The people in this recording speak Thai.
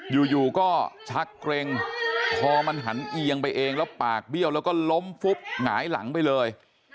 อยู่ก็ชักเกร็งคอมันหันเอียงไปเองแล้วปากเบี้ยวแล้วก็ล้มฟุบหงายหลังไปเลย